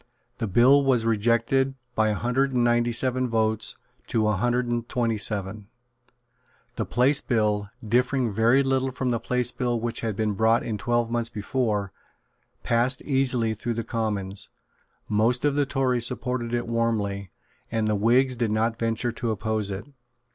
The bill was rejected by a hundred and ninety seven votes to a hundred and twenty seven. The Place Bill, differing very little from the Place Bill which had been brought in twelve months before, passed easily through the Commons. Most of the Tories supported it warmly; and the Whigs did not venture to oppose it.